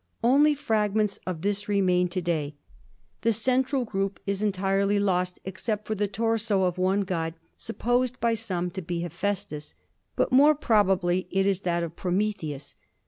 Only fragments of this remain to day. The central group is entirely lost except for the torso of one god, supposed by some to be Hephæstus, but more probably it is that of Prometheus.